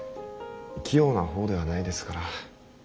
器用な方ではないですから。